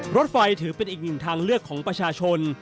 รถไฟถือเป็นอีกหนึ่งทางเลือกของประชาชน